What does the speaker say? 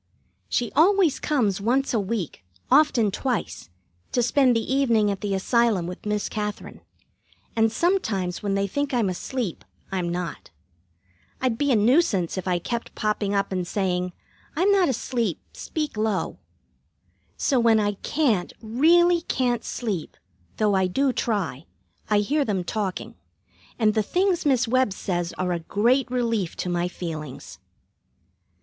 She always comes once a week, often twice, to spend the evening at the Asylum with Miss Katherine, and sometimes when they think I'm asleep, I'm not. I'd be a nuisance if I kept popping up and saying, "I'm not asleep, speak low." So when I can't, really can't, sleep, though I do try, I hear them talking, and the things Miss Webb says are a great relief to my feelings.